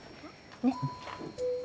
ねっ。